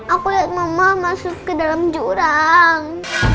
aku lihat mama masuk ke dalam jurang